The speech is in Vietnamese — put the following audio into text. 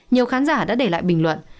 nhiều khán giả đã để lại bình luận